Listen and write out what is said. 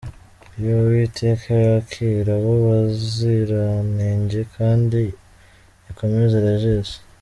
yooooo Uwiteka yakire abo baziranenge , knadi ikomeze Regis.